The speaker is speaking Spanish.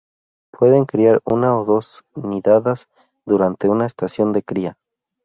Pueden criar una o dos nidadas durante una estación de cría.